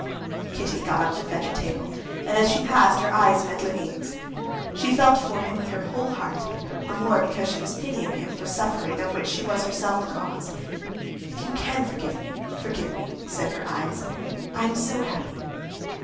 Kitty got up to fetch a table, and as she passed, her eyes met Levin's. She felt for him with her whole heart, the more because she was pitying him for suffering of which she was herself the cause. "If you can forgive me, forgive me," said her eyes, "I am so happy."